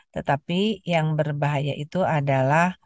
tetapi yang berbahaya itu adalah